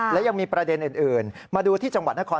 และยังมีประเด็นอื่นมาดูที่จังหวัดนคร